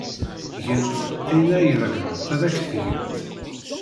Gant ayen ay ṛeggment ad ak-t-gent.